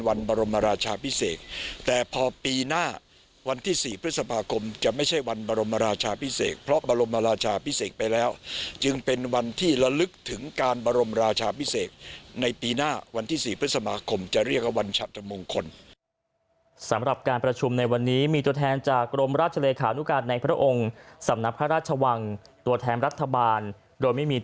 บรมราชาพิเศษแต่พอปีหน้าวันที่๔พฤษภาคมจะไม่ใช่วันบรมราชาพิเศษเพราะบรมราชาพิเศษไปแล้วจึงเป็นวันที่ระลึกถึงการบรมราชาพิเศษในปีหน้าวันที่๔พฤษภาคมจะเรียกว่าวันชะมงคลสำหรับการประชุมในวันนี้มีตัวแทนจากกรมราชเลขานุการในพระองค์สำนักพระราชวังตัวแทนรัฐบาลโดยไม่มี